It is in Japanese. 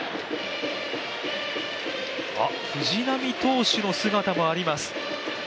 藤浪投手の姿もあります。